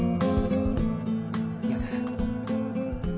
嫌です。